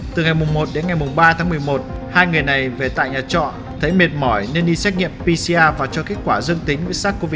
từ ngày một đến ngày ba tháng một mươi một hai người này về tại nhà trọ thấy mệt mỏi nên đi xét nghiệm pcr và cho kết quả dương tính với sars cov hai